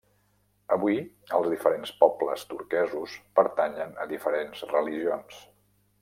Avui, els diferents pobles turquesos pertanyen a diferents religions.